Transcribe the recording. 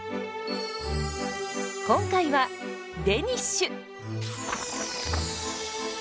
今回はデニッシュ！